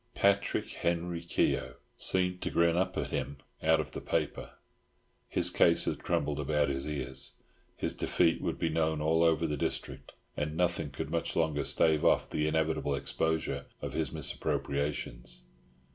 "Patrick Henry Keogh" seemed to grin up at him out of the paper. His case had crumbled about his ears; his defeat would be known all over the district, and nothing could much longer stave off the inevitable exposure of his misappropriations.